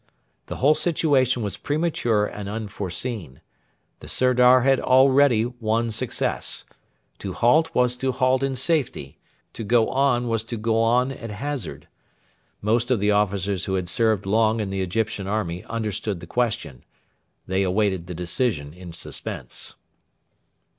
The whole situation was premature and unforeseen. The Sirdar had already won success. To halt was to halt in safety; to go on was to go on at hazard. Most of the officers who had served long in the Egyptian army understood the question. They waited the decision in suspense.